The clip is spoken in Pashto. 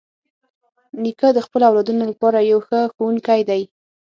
نیکه د خپلو اولادونو لپاره یو ښه ښوونکی دی.